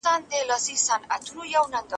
خپل کور په منظم ډول پاک کړئ.